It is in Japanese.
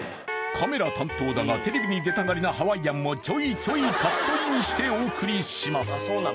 カメラ担当だがテレビに出たがりなハワイアンもちょいちょいカットインしてお送りします